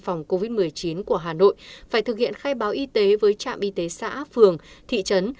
phòng covid một mươi chín của hà nội phải thực hiện khai báo y tế với trạm y tế xã phường thị trấn